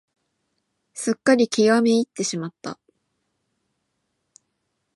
すっかり気が滅入ってしまった。